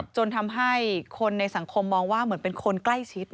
จนทำให้คนในสังคมมองว่าเหมือนเป็นคนใกล้ชิด